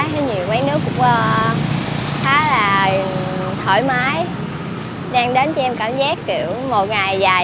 nhiều quán nước cũng khá là thoải mái đang đến cho em cảm giác kiểu một ngày dài làm việc mệt mỏi